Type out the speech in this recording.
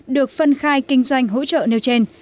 được phân khai kinh doanh hỗ trợ nêu trên